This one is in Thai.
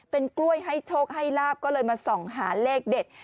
เป็นกล้วยให้โชคให้ลาบก็เลยมาส่องหาเลขเด็ด